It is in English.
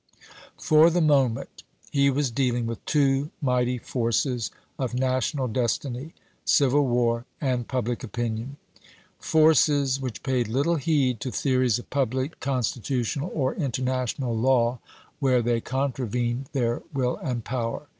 For the moment he was dealing with two mighty forces of national destiny, civil war and public opinion ; forces which paid little heed to theories of public, constitutional, or international law where they contravened their will and power.